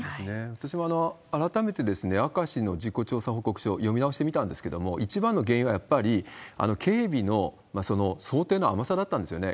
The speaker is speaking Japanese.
私も改めて、明石の事故調査報告書を読み直してみたんですけれども、一番の原因は、やっぱり警備の想定の甘さだったんですよね。